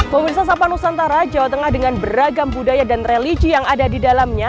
pemirsa sapa nusantara jawa tengah dengan beragam budaya dan religi yang ada di dalamnya